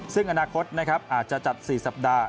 ซึ่งอนาคตอาจจะจัด๔สัปดาห์